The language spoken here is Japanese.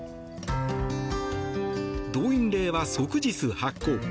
動員令は即日発効。